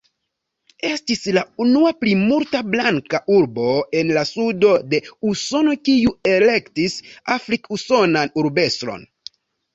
Estis la unua plimulta-blanka urbo en la Sudo de Usono kiu elektis afrik-usonan urbestron.